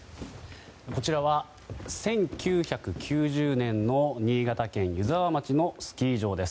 こちらは１９９０年の新潟県湯沢町のスキー場です。